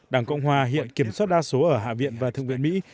đảng cộng hòa hiện kiểm soát đa số ở hạ viện và thượng viện mỹ